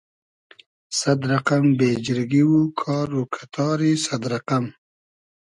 سئد رئقئم بېجیرگی و کار و کئتاری سئد رئقئم